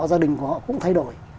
gia đình của họ cũng thay đổi